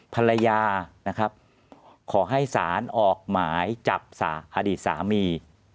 ภรรยาขอให้ศาลออกไหมจับอดีตสามี